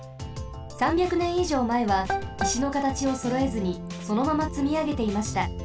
３００年以上前はいしのかたちをそろえずにそのままつみあげていました。